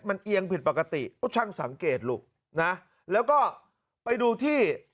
มันเอียงผิดปกติโอ้ช่างสังเกตลูกนะแล้วก็ไปดูที่